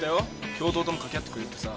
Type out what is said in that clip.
教頭とも掛け合ってくれるってさ。